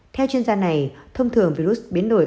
theo chuyên gia này thông thường virus biến đổi